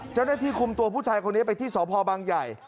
เจ้าหน้าที่คุมตัวผู้ชายคนนี้ไปที่สพบางใหญ่